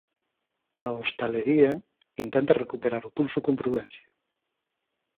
A hostalería intenta recuperar o pulso con prudencia.